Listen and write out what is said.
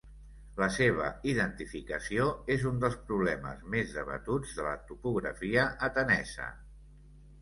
La seva identificació és un dels problemes més debatuts de la topografia atenesa.